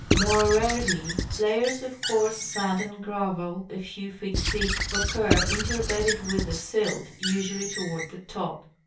More rarely, layers of coarse sand and gravel a few feet thick occur, interbedded with the silt, usually toward the top.